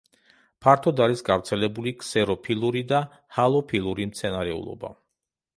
ფართოდ არის გავრცელებული ქსეროფილური და ჰალოფილური მცენარეულობა.